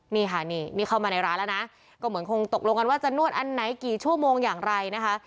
นี่ค่ะนี่นี่เข้ามาในร้านแล้วนะก็เหมือนคงตกลงกันว่าจะนวดอันไหนกี่ชั่วโมงอย่างไรนะคะ